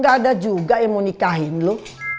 gak ada juga yang mau nikahin lu